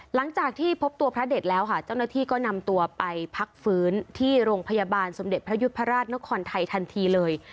หลังจากที่พบตัวพระเด็ดแล้วค่ะเจ้าหน้าที่ก็นำตัวไปพักฟื้นที่โรงพยาบาลสมเด็จพระยุทธราชนครไทยทันทีเลย